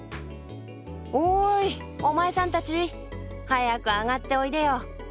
おいお前さんたち早く上がっておいでよ。